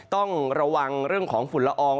ต้องระวังเรื่องของฝุ่นละออง